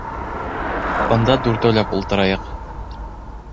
Бында дүртәүләп ултырайыҡ